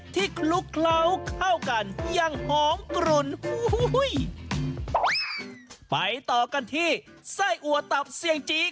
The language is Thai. คลุกเคล้าเข้ากันอย่างหอมกลุ่นไปต่อกันที่ไส้อัวตับเสี่ยงจี